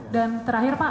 dan terakhir pak